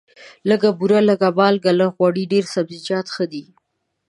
لږه بوره، لږه مالګه، لږ غوړي، ډېر سبزیجات ښه دي.